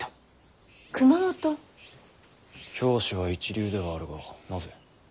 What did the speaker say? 教師は一流ではあるがなぜ。